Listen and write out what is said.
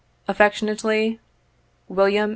Affectionately, " WM.